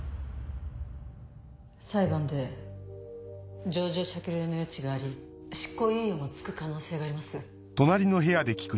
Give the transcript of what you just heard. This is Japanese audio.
裁判で情状酌量の余地があり執行猶予も付く可能性があります。